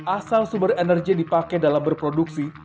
asal sumber energi yang dipakai dalam berproduksi